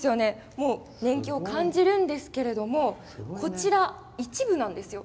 もう、年季を感じるんですけれどもこちら、一部なんですよ。